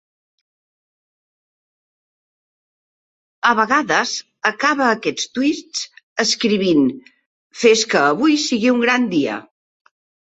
Ha vegades acaba aquests tuits escrivint, "Fes que avui sigui un gran dia!"